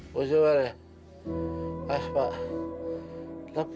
tidak ada masalah